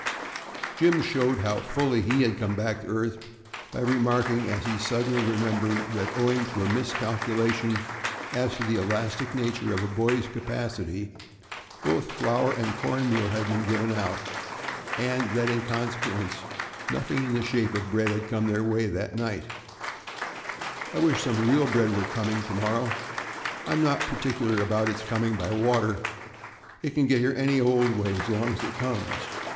Jim showed how fully he had come back to earth by remarking as he suddenly remembered that owing to a miscalculation as to the elastic nature of a boy's capacity, both flour and corn meal had given out, and that in consequence, nothing in the shape of bread had come their way that night: "I wish some real bread were coming tomorrow. I am not particular about its coming by water. It can get here any old way, as long as it comes."